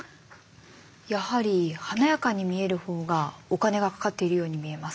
やはり華やかに見える方がお金がかかっているように見えます。